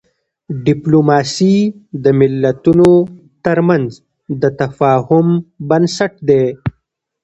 ډیپلوماسي د ملتونو ترمنځ د تفاهم بنسټ دی.